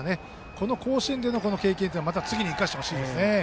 この甲子園での経験を次に生かしてほしいですね。